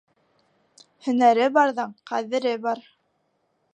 Һөнәре барҙың ҡәҙере бар.